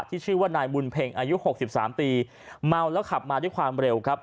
ที่ชื่อว่านายบุญเพงอายุ๖๓ปีเมาแล้วขับมาด้วยความเร็ว